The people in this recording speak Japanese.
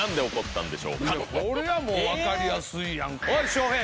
これはもう分かりやすいやんか。